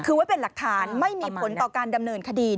คือไว้เป็นหลักฐานไม่มีผลต่อการดำเนินคดี